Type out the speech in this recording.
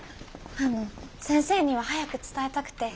あの先生には早く伝えたくて。